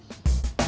tunggu nanti aja